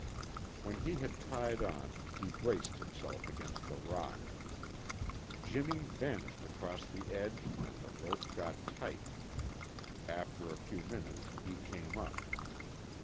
When he had tied on he braced himself against the rock. Jimmy vanished across the edge and the rope got tight. After a few minutes he came up.